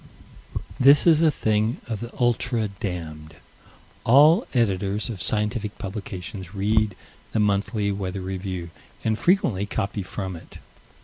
This is a thing of the ultra damned. All Editors of scientific publications read the Monthly Weather Review and frequently copy from it.